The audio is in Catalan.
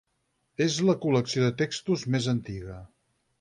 És la col·lecció de textos més antiga.